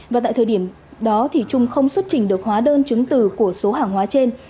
và tại thời điểm đó trung không xuất trình được hóa đơn chứng từ của số hàng hóa trên